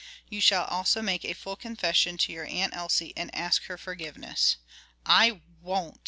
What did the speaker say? You shall also make a full confession to your Aunt Elsie and ask her forgiveness." "I won't!"